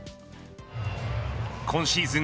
今シーズン